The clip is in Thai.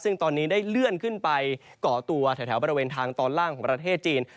ซึ่งตอนนี้ได้เลื่อนขึ้นไปก่อตัวแถวบริเวณทางตอนล่างของประเทศจีน